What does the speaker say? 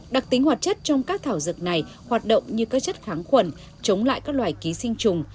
đặc tính hoạt chất trong các thảo dược này hoạt động như các chất kháng khuẩn chống lại các loài ký sinh trùng